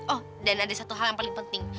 oh dan ada satu hal yang paling penting